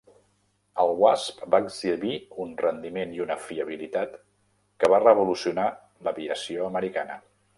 El Wasp va exhibir un rendiment i una fiabilitat que va revolucionar l'aviació americana.